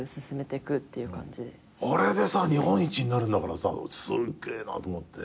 あれでさ日本一になるんだからさすっげえなと思って。